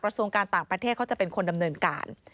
ส่วนการต่างประเทศเขาจะเป็นคนดำเนินการ